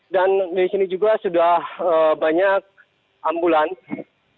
dan di sini juga sudah banyak ambulans